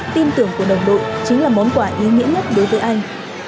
tin tưởng của đồng đội chính là món quà ý nghĩa nhất đối với anh